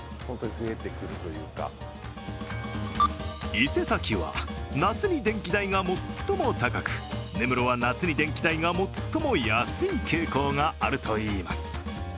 伊勢崎は夏に電気代が最も高く根室は夏に電気代が最も安い傾向があるといいます。